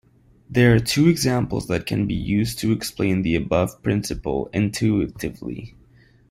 There are two examples that can be used to explain the above principle intuitively.